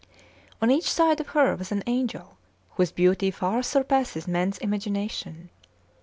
On each side of her was an angel, whose beauty far surpasses man's imagination.